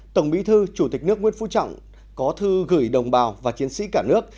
tổng bí thư chủ tịch nước nguyễn phú trọng có thư gửi đồng bào và chiến sĩ cả nước